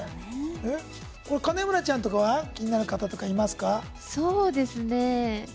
金村ちゃんとかは気になる方いますか？